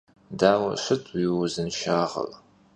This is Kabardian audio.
Daue şıt vui vuzınşşağer?